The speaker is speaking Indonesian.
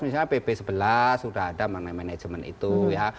misalnya pp sebelas sudah ada mengenai manajemen itu ya